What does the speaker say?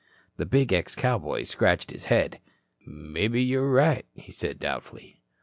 The big ex cowboy scratched his head. "Mebbe you're right," he said doubtfully.